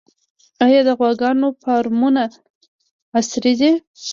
آیا د غواګانو فارمونه عصري دي؟